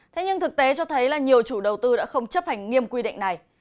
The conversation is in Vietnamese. thế nhưng thực tế cho thấy là nhiều chủ đầu tư đã không chấp hành nghiêm quy định này